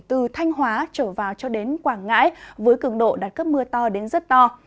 từ thanh hóa trở vào cho đến quảng ngãi với cường độ đạt cấp mưa to đến rất to